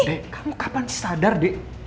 dek kamu kapan sadar dek